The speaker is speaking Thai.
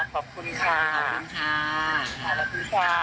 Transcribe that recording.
ขอบคุณนะคะ